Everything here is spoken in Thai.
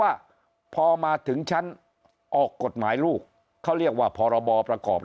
ว่าพอมาถึงชั้นออกกฎหมายลูกเขาเรียกว่าพรบประกอบ